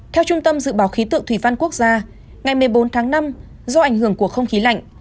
theo trung tâm dự báo khí tượng thủy văn quốc gia ngày một mươi bốn tháng năm do ảnh hưởng của không khí lạnh